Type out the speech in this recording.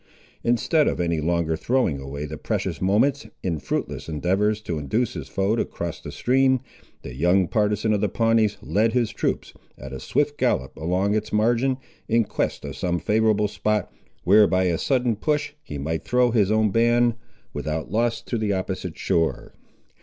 Instead of any longer throwing away the precious moments, in fruitless endeavours to induce his foe to cross the stream, the young partisan of the Pawnees led his troops, at a swift gallop, along its margin, in quest of some favourable spot, where by a sudden push he might throw his own band without loss to the opposite shore.